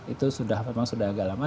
itu sudah memang sudah agak lama